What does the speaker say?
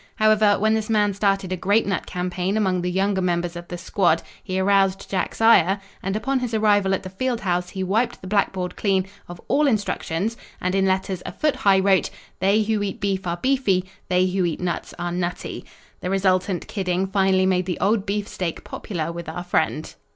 However, when this man started a grape nut campaign among the younger members of the squad he aroused Jack's ire and upon his arrival at the field house he wiped the black board clean of all instructions and in letters a foot high wrote: "They who eat beef are beefy." "They who eat nuts are nutty." The resultant kidding finally made the old beefsteak popular with our friend.